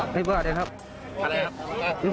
พี่บอกอะไรครับอะไรครับ